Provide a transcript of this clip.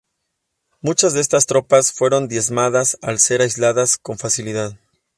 Muchas de estas tropas fueron diezmadas al ser aisladas con facilidad.